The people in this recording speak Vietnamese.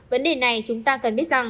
vấn đề này chúng ta cần biết rằng